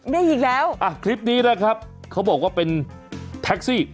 ได้อีกแล้วอ่ะคลิปนี้นะครับเขาบอกว่าเป็นแท็กซี่